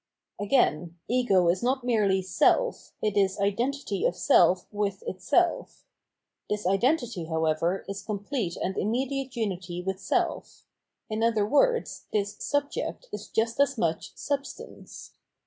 Again, Ego is not merely self, it is identity of self with itself. This identity, however, is complete and im mediate unity with self ; in other words this Subject is just as much Substance.